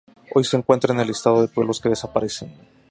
Hoy se encuentra en el listado de "Pueblos que desaparecen".